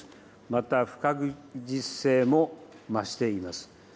また不確実性も増しています。